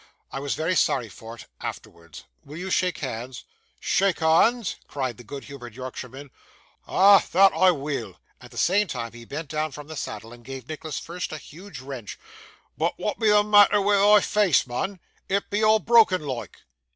I was very sorry for it, afterwards. Will you shake hands?' 'Shake honds!' cried the good humoured Yorkshireman; 'ah! that I weel;' at the same time, he bent down from the saddle, and gave Nicholas's fist a huge wrench: 'but wa'at be the matther wi' thy feace, mun? it be all brokken loike.